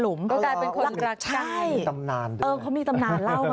อุ๊ยน่ากิน